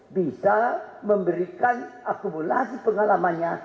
bisa memberikan akumulasi pengalamannya